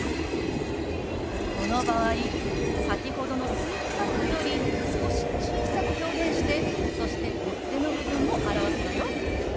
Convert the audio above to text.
この場合先ほどのスープカップより少し小さく表現してそして取っ手の部分も表すのよ。